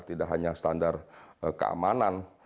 tidak hanya standar keamanan